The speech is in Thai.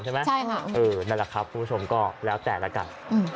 ใช่ไหมใช่ค่ะเออนั่นแหละครับคุณผู้ชมก็แล้วแต่ละกัน